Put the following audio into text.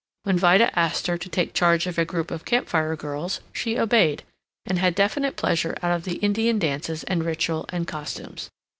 When Vida asked her to take charge of a group of Camp Fire Girls, she obeyed, and had definite pleasure out of the Indian dances and ritual and costumes.